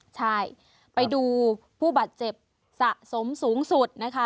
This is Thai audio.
ใช่ไปดูผู้บาดเจ็บสะสมสูงสุดนะคะ